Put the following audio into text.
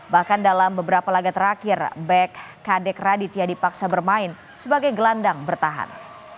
bahkan dalam beberapa laga terakhir back kadek raditya dipaksa bermain sebagai gelandang bertahan